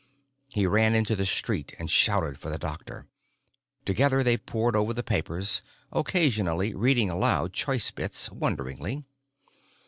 He ran into the street and shouted for the doctor. Together they pored over the papers, occasionally reading aloud choice bits, wonderingly.